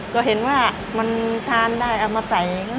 ก็เห็นว่ามันทานได้เอามาใส่